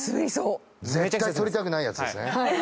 絶対取りたくないやつですね。